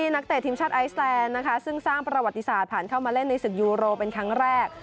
นักเตะทีมชาติไอซแลนด์นะคะซึ่งสร้างประวัติศาสตร์ผ่านเข้ามาเล่นในศึกยูโรเป็นครั้งแรก